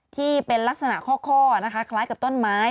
ที่เป็นลักษณะข้อนะคะคล้ายกับต้นไม้